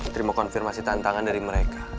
terima konfirmasi tantangan dari mereka